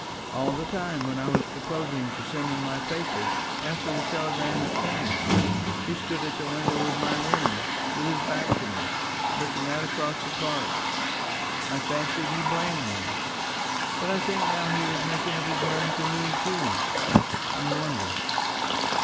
"All the time when I was proposing to send in my papers, after the telegram had come, he stood at the window of my rooms with his back to me, looking out across the park. I fancied he blamed me. But I think now he was making up his mind to lose you.... I wonder."